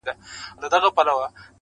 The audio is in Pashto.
په هوا تللې جوپې د شاهینانو -